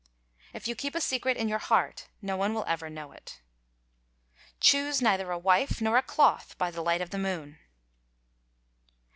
—If you keep a secret in your heart no one will ever know it.—Choose neither a wife nor a cloth by the light of the moon.